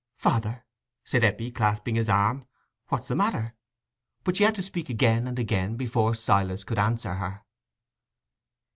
"Father," said Eppie, clasping his arm, "what's the matter?" But she had to speak again and again before Silas could answer her.